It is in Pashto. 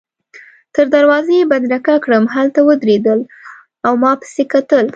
تر دروازې يې بدرګه کړم، هلته ودرېدل او ما پسي کتل.